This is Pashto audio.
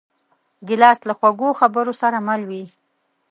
ګیلاس له خوږو خبرو سره مل وي.